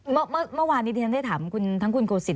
เมื่อวานนี้เท้นเธน่าไปถามคุณทั้งคุณโกสิต